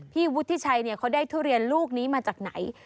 พี่วุฒิชัยเขาได้ทุเรียนลูกนี้มาจากไหน